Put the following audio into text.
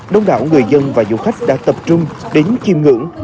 đông đảo người dân và du khách đã tập trung đến chiêm ngưỡng